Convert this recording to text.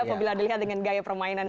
apabila dilihat dengan gaya permainan